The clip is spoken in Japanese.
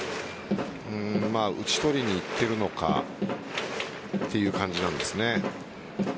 打ち取りにいっているのかという感じなんですね。